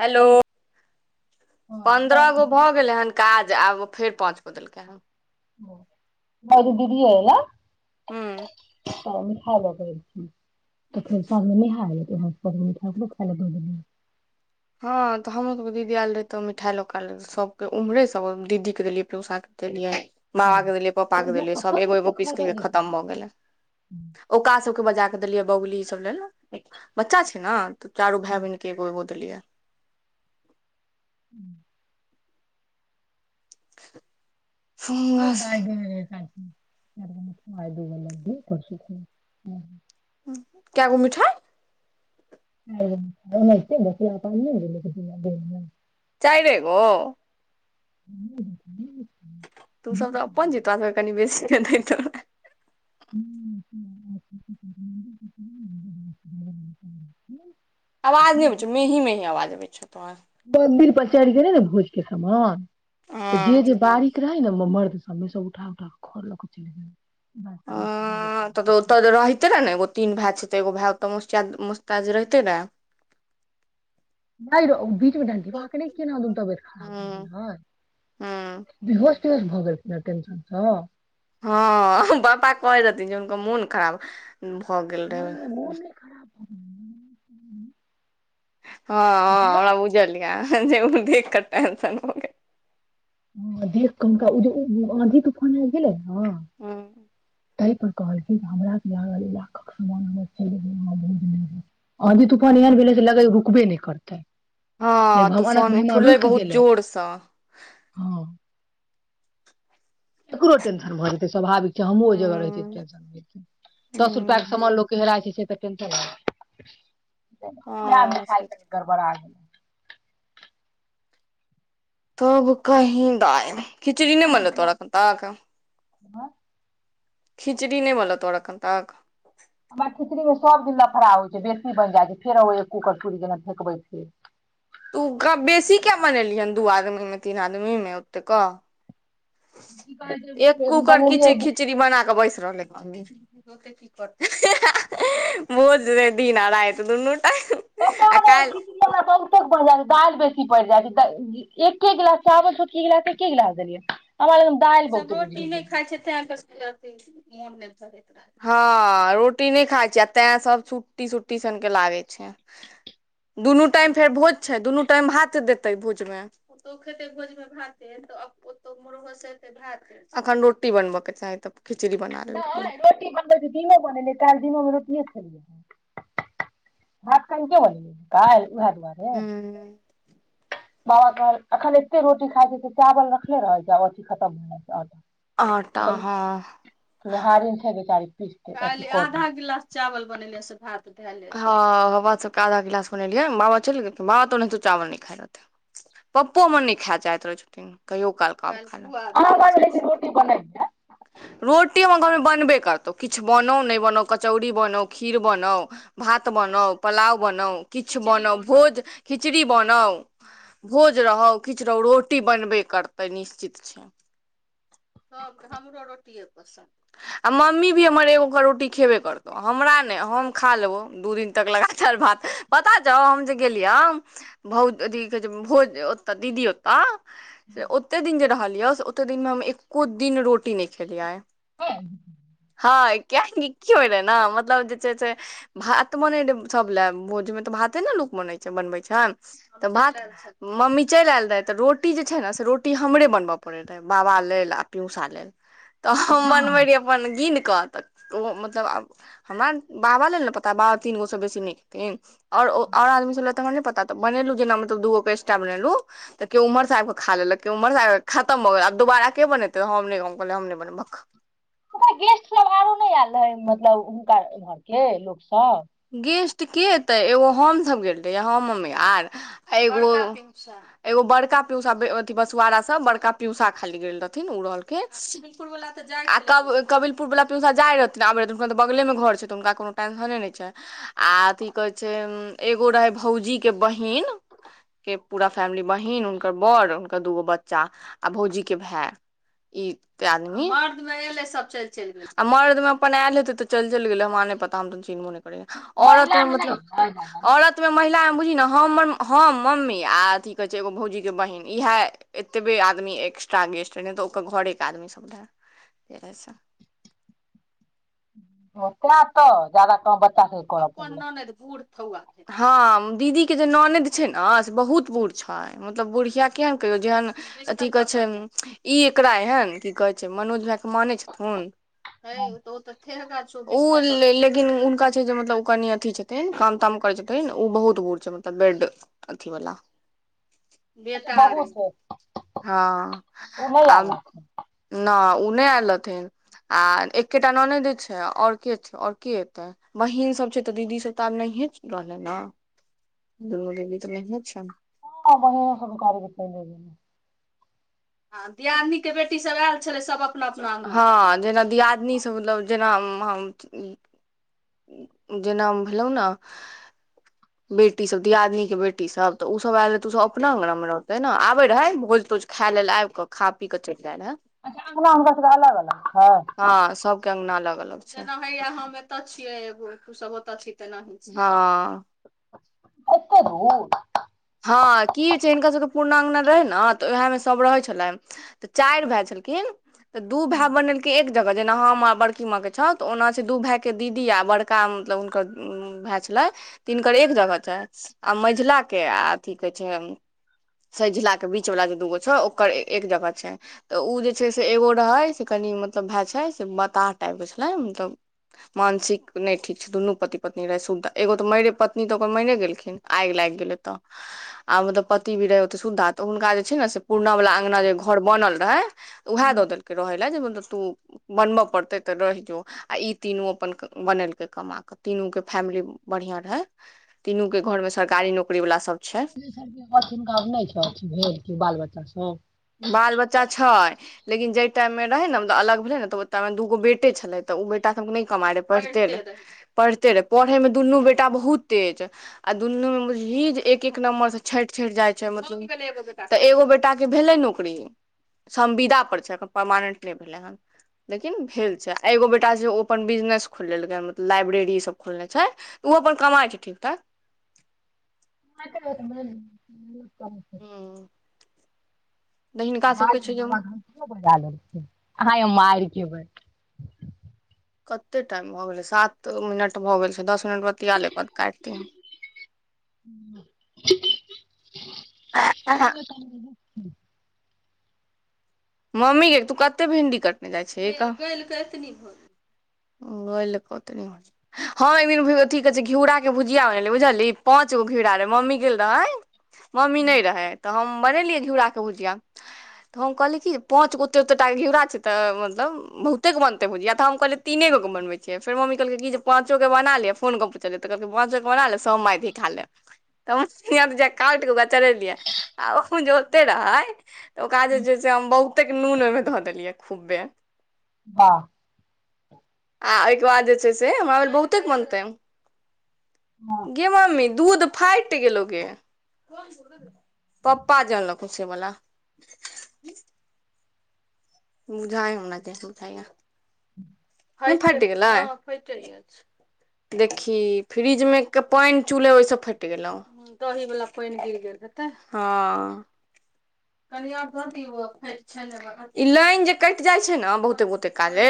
हलो पन्द्रह गो भऽ दवाई गेलै हन काज आब फेर पाँच गो देलकैइ ह बड़ी दीदी अयलैइ हूंअ् स न खा ल फऽ फेर सानू निहा ल [unintelligible] प नहि ाकल ख बदल [unintelligible] हँअ् तऽ हमरो सबके दीदी आयल रहैइ त मिठाइ ल क आयल रहैइ सबके उम्हरे सब दीदी के देलियै पियूसा के देलियै मामा के देलियै पप्पा आ ओ के देलियै लोक सभ कतयसँ एगो ओते एगो पीस खरीदऽ खेलकै क जेतै खतम भऽ गेलै ओका सबके बजा क देलियै बबली सब लेल बच्चा छैइ ना त चारू भाय बहिन के एगो एगो देलिअइ ह ओ दाइे बोलैइ रहथिन द भी करसख ह [unintelligible] कै गो मिठाई बसला प ने गेल [unintelligible] चाइरे गो ह तू सब तऽ अपन जेतौ न कनि बेसी देतौ र ह [inaudible] आवाज नहि अबैइ छौ मेही मेही आवाज अबैइ छौ तोहर मन्दिर पर चढ़ि गेलैय ने भोज के समान तऽ हँ जे जे बारिक रहै न मर्द सब उठा उठा कऽ घरलऽ क चलि गेल अ तऽ ओत रहितैइ न एगो तीन भाय छैइ एगो भाय ओतऽ मुस्त मुस्तैद रहितै रै नई रौ बीच में डण्डीवा के नई केना दोन तबियत खराब भ गेल हूँ रहैइ हूँ बिहोश तिहोश भऽ गेलथिन ह टेंशन स हँअ् पापा कहैइ रहथिन जे हुनकर मोन खराब भऽ गेल मोन रहै नहि मोने खराब भऽ गेलै हँअ् हँअ् मतलब हमरा बुझलिया जे देख क टेंशन हो गेल ओना देख कऽ हुनका उजे आंधी तूफान आबि गेलैइ न हूँ ताहि पर कहल छी जे हमरा केल इाख के सान हमर च बोज [unintelligible] आंधी तूफान एहन भेलैइ से लगे रुकबे नई करतै नहि हँ तू भगवानक फोन महिमा उठौले रुकि बहुत गेलै जोरसँ हँ एकरो टेंशन भऽ जेतै स्वभाविक हमँ ओ जगह रहै छ हूँ टेंन दस रूपआ के हूँ सामान लोक के हेराय छै मिाइ हँ से गड़बड़ा तब कही दाय खिचड़ी नहि मलै तोरा क त क ब खिचड़ी ने बोल तोड़ कन ताक हमर खिचड़ीमे सभ दिन लफड़ा होइ छै बेसी बनि जाइ छै फेर ओ एक कूकर चूड़ी जेना फेकबै छै तू बेसी किया बनेलियहन दू आदमीमे तीन आदमीमे ओतेक एक कूकर कच बनेलियै खिचड़ी बना क बैस रहल ह भोझ दिन आ रत दुनू टाइम आ काल्हि तेक मजार दाल बेच ी पड़ि जाइ छै तऽ एके गिलास चावल द एकी गिलास एके गिलास देलियै लग दालि सब बहुते बुझि रोटी नहि गेल खाय छैे ते अहाँके ह रोटी नहि खाय छी आ तें सब सुुट्टी सुुट्टी सन ल आवे छै दुनू टाइम फेर भोज छै दुनू टाइम भात देतै भोजमे खेै भोजात म अखन रोटी बनबय के चाही तऽ खिचड़ी बना लेलकै नहि रोटी बनै धीमो बनेै काल धीमोमे रोटी हात कन क बलै काल् उएह दुआरे हूं बाबा कहल एखन एते रोटी खाइ छै त चावल रखले रहै छै आथ खतम भ जाइ आटा हँ छै लोहारी छै बिचारी काली आधा गिलास चावल बनेले से भात ह ह बाबा सबके आधा गिलास बनेलियै बाबा चलि गेल बाबा तो ओनाहितो चावल नहि खाय रहथि पप्पो मनी खा जाइत रहै छथिन कहियो काल अहाँ कहलियै लेकिन रोटी बनैयै रोटी हमर घर मे बनबे करत तऽ किछु बनउ नहि बनोउ कचौड़ी बनाउ खीर बनाउ भात बनाउ पुलाव बनाउ किछु किछु बनाउ भोज खिचड़ी बनाउ भोज रहौ किछु रहु रोटी बनबे कर सबर निश्चित छै [inaudible] हमरो रोटि पस आ मम्मी भी हमर एगो रोटी खेबे करतौ हमरा हम खा लेबो दू दिन तक लगातार भात पता छौ हम जे गेलिय बहुत कथी कहै छै भोज ओताऽ दीदी ओतऽ से ओते दिन जे रहलियै से ओतेक दिनमे हम एको दिन रोटी नहि खेलियै हँ हँ क्या की होय रहे ने मतलब जे छै से भात मने रहे सब ले भोज में तऽ भाते ने लो बनै छै बन्बे छै त भात मम्मी चलि आयल रहै तऽ रोटी जे छै ने से रोटी हमरे बनबय पड़ैत रहै बाबा लेल आ प्यौसा लेल त मनब र अपन गी क तऽ ओ मतलब हमरा बाबा लेल ने पता बाबा तीन गोसँ बेसी नीक हेथिन ओर और आदमी स ल तऽ प ऽ बनेलू जे मतलब दूगो स्टाफ बनेलू तऽ केओ उमहर आब क खा लेलक केओ उमहरबके खतम भऽ गेल दुबारा के बनेते हम नै हम कहलिए हम बनेबे भक हुनका गेस्ट सब आरो ने आयल रहे मतलब हुनका घर के लोक सब गेस्ट के तऽ एगो हमसभ गेल रहिये हम मम्मी आर एगो एगो बड़का प्यौसा अथि बसुारा से बड़का प्यऔसा खायइल गेल रहथिन ओ रहल खिन आ क कविलपुर वला पीसा जाय रहथिन आब हनक तऽ बगले मे घर छै तऽ हुनका कोनो टंशने नहि छै आथी कहै छै एगो रहे भौजी के बहिन के पूरा फैमिली बहिन हुनकर बड़ हुनकर दूगो बच्चा आ भौजी के भाय ई त आदमी मर्द मे एले सब चल चलि गेल आ मर्दं अपन आयल हेते तऽ चलि चलि गेले हम नहि पता हम त चिन्बो नहि करै औरत महिला मे नहि मतलब तें औरत मे महिला बुजही न हम मम्मी आ अथी कहे छै एगो भौजी के बहिन इएह एतबे आदमी एक््र गे तऽ ओकर घरेके आदमी सब ओ कना त जाद कह ब पप्पा ओना नहिऽ फू ह दीदी के जे ननद छै ने से बहुत बुढ़ छै मतलब बुढ़िया किया ने क जेहन अथि क छै इ एकरा एहन कि कहइ छइ मनोज मानै छथुन हइ उ त ठेहगर छो उ लेकिन उनका जे मतलब ओ कनि अथि छथिन काम ताम करै छथिन ने ओ बहुत बूढ़ छै मतलब बेड अथी वाला अच्छा बहुत हँ नहि आ आयल रहथिन न ओ नहि आयल रहथिन आ एकेटा ननेदै छै और के छै और के एेते बहीन सभ छै तऽ दीदी सब तऽ आब नहिए रहलै ने रो भी तऽ लैने छै ने ह पने सकारी कते [inaudible] दियादिनीके बेटीसभ आयल छलै सभ अपना अपना हँ जेना दियादनीसभ मतलब जेना हुँ हम तुं जेना भेलहु ने बेटी सब दियादनीके बेटी सब तऽ ओसभ आयल रहे तऽ ओसभ अपना अङ्गना मे रहते ने आबे रहे भोज तोज खैलेल आब कऽ खा पी क अच्छा अङ्गना हुनका सभके अलग अलग छै अङ्गना अलग अलग छिय जेना हम एतऽ छियै ब फू सब तऽ छीतऽ न हाँ [inaudible] होतर हँ की छै हिनका सभके पूर्ण अङ्गना रहै ने तऽ उएहमे सभ रहैत छलनि तऽ चारि भए लेकिन त दु भैय बनेलकइ एक जेना हम बड़की माँ के छौथ ओना छै दू भायई के दीदी आ बड़का मतलब हुनकर भाय छल तिनकर एक जगह छै आ मझीला के आथी कहै छै सेझिला के बीच वाला जे दूगो छौ ओकर एक जगह छै तऽ ओ जे छै से एगो रहै से कह कनि मतलब भैए छै से बताह टाइप के छलै मतलब मानसिक नहि ठीक छै दुनू पति पत्नी रहय सुविधा एगो तऽ मरे पत्नी तऽ ओकर मायरे गेलखिन आगि लागि गेलै तऽ आ मतलब पति भी रहे ओते सुधा तऽ हुनका जे छै ने से पुरना वाला अङंना जे घर बनल रहे उएह द देलके रहैा लै तू बनबे परते त रहि जो आ ई तीनू अपन बनेल कमा तीनू फैमिली बढ़िया रहै तीनू के घर में सरकारी नौकरी वला सब छै नका नहि छ अ भेल छै बाल बच्चा सब बाल बच्चा छै लेकिन जाहि टाइम मे रहे ने अलग भेले ने तऽ ओ टाइमे दूगो बेटे छले तऽ ओ तखन नहि कमा रहे पढ़ते रे पढ़ते रे पढ़े में दुनू बेटा बहुत तेज आ दुनू जे बुझहीं एक एक नम्बर से छठि छठि जाइ छै मतल एगो बेटा के भेलै नौकरी संविदा पर छै परमानेंट नहि भेलै हन लेकिन भेल छै आ एगो बेटा जे ओ अपन बिजनेस खोल लेलकै मतलब लाइब्रेरी सब खोलने छै ओहो अपन कमाइ छै ठीक ठाक कर [inaudible] तऽ हिनका ब सबके छै जे बाबा घ बजा लेल अहाँ मारि केबै कत्ते टाइम भऽ गेलै सात मिनट भऽ गेल छै दस मिनट बतिया ले काट दिअ चब च [inaudible] मम्मीके तू कतेक भिंडी कटने जाइ छ कहाल ओ ले पथ हँ ऐ मीनू कह घिरा के भुजिया बनेल बुझलहीं पथ अच्छा ओ घिरा रहै मम्मी गेलय मम्मी नइ रहै तऽ हम बनेलियै चुड़ा के भुजिया तऽ हम कहलिय की पाँच गो ओते ओतेक टा घिरा छै तऽ मतलब बहुते बनतै भजिया तऽ हम कहलिय तीने गोे क बनबै छियै फेर मम्मी कहलकै कि जे पाँचो के बना ले फोन क पूछल तऽ कहलक पाँचो के बना ले सभ माइ खा ले तऽ काट क तरलिय आ ओतय रहय तऽ ओकरा जे छै से हम बहुते नून ओहिमे धऽ देलियै खूबै हँ आ ओहिके बाद जे छै से हमरा भेल जे बहुते बनतै गे मम्मी दूध फाटि गेलो गे कुन दूध पप्पा जे अनलकु से बला बुझाय हमरा गे बुझा दूध फाइट गलइ ह फाइ टे जाय छै देखी फ्रिज मे के पानि चूले ओहिस फटि गेलो दही वाला पानि गिर गेल हेतय हँ कनिया आर घअ दैयय बौआ छाइन ई लाइन जे कटि जाइ छै ने बहुते बहुते काले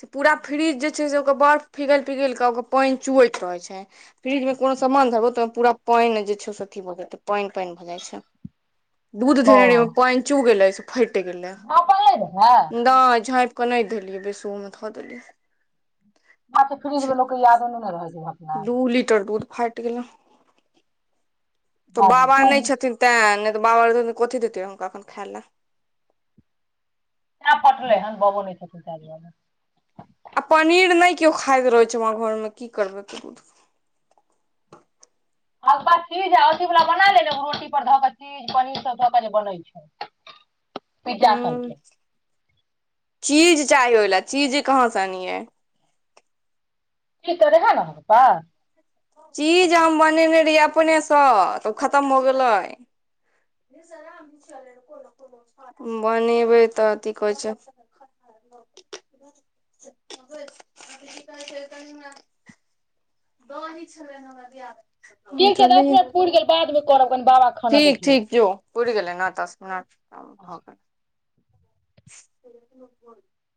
से पूरा फ्रिज जे छै से ओकर बर्फ पिघाइल पिघाइल केऽ ओकर पनि चुैत रहै छै फ्रिज मे कोनो सामान धरबै तऽ ओहिमे पूरा पानि जे छै से अथी भऽ जेतै पानि पानि भऽ जाइ छै [inaudible] दूध ओ धेने रही ओहि मे पानि चू गेले से फटि गेले झाँपल नहि रहै न झइप नहि देलियै बेसु मे धऽ देलियै बात छै फ्रिज छी मे लोकके इ यादो नै न रहै छै झपनाइ दू लीटर दूध फाटि गेलउ तऽ बाजू बाबा तू नइ छथिन तैं बाब रहिथिन त कथी दइतियैन हुनका खाय लै तैं पटलै हन बाबो नइ छथिन ताइ दुआरे आ पनीर नइ केओ खाइत रहैत छै हमरा घर मे की करबै एते दूध के आ ओ बाद चीज आ अथीवला बना ले ने रोटी पर धऽ क चीज पनीर सभ धऽ क जे बनैत छै पिज्जा हूँ सनके चीज चाही ओहि ल चीज कहाँ सँ आनियै चीज तऽ रहेहै ने हल्का चीज हम बनेने रहियै अपने सँ तऽ खतम भ गेलै नहिसर [unintelligible] बनेबै तऽ की कहै छै कहै छै कनी [unintelligible] दही छलले हमर दियादनी ठीक छै दस मिनट पुरि गेल बादमे करब कनि बाबाके खाना ठीक देख लै छी ठीक जो पुइर गेलै ने दस मिनट भ गेल [inaudible]